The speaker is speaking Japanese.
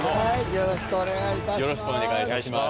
よろしくお願いします。